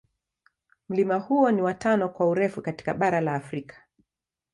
Mlima huo ni wa tano kwa urefu katika bara la Afrika.